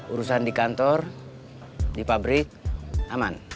urusan di kantor di pabrik aman